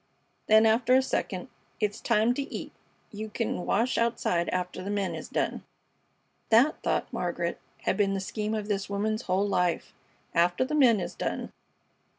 Then, after a second: "It's time t' eat. You c'n wash outside after the men is done." That, thought Margaret, had been the scheme of this woman's whole life "After the men is done!"